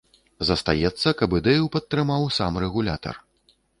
Застаецца, каб ідэю падтрымаў сам рэгулятар.